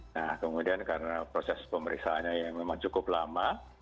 nah kemudian karena proses pemeriksaannya memang cukup lama